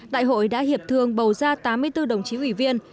đại hội đã hiệp thương bầu ra tám mươi bốn đồng chí ủy viên